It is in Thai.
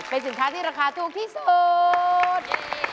เป็นสินค้าที่ราคาถูกที่สุด